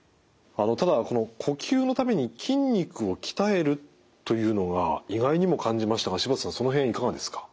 ただこの呼吸のために筋肉を鍛えるというのが意外にも感じましたが柴田さんその辺いかがですか？